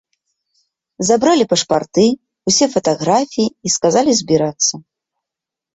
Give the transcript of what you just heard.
Забралі пашпарты, усе фатаграфіі і сказалі збірацца.